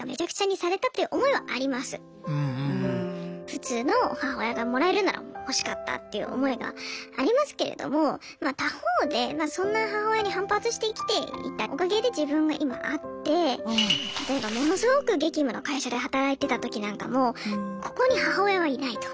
普通の母親がもらえるなら欲しかったっていう思いがありますけれども他方でそんな母親に反発して生きていたおかげで自分が今あって例えばものすごく激務の会社で働いてた時なんかもここに母親はいないと。